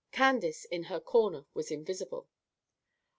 Candace in her corner was invisible.